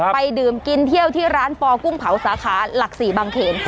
ดื่มกินเที่ยวที่ร้านปอกุ้งเผาสาขาหลัก๔บางเขน